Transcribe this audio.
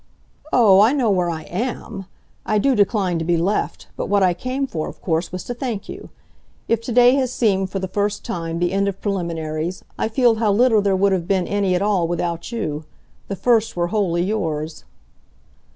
"Oh, I know where I AM ! I do decline to be left, but what I came for, of course, was to thank you. If to day has seemed, for the first time, the end of preliminaries, I feel how little there would have been any at all without you. The first were wholly yours."